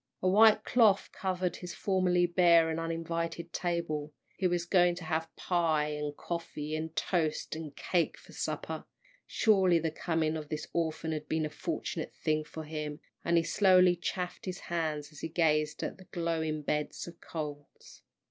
A white cloth covered his formerly bare and uninviting table; he was going to have pie, and coffee, and toast and cake for supper, surely the coming of this orphan had been a fortunate thing for him, and he slowly chafed his hands as he gazed at the glowing bed of coals.